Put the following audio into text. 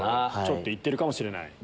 ちょっと行ってるかもしれない？